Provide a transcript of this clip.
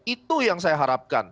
itu yang saya harapkan